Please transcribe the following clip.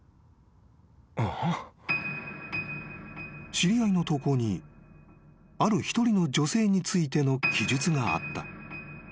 ［知り合いの投稿にある一人の女性についての記述があった］